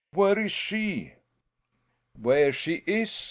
"Where is she?" "Where she is?"